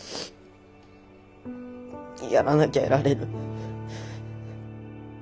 やらなきゃやられる。